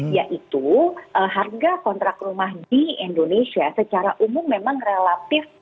yaitu harga kontrak rumah di indonesia secara umum memang relatif